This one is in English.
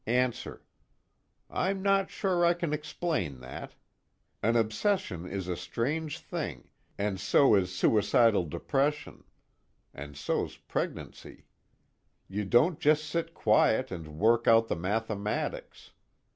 ANSWER: I'm not sure I can explain that. An obsession is a strange thing, and so is suicidal depression and so's pregnancy. You don't just sit quiet and work out the mathematics.